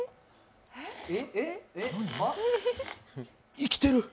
生きてる。